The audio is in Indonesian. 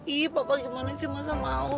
ih papa gimana sih masa mau